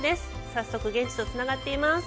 早速、現地とつながっています。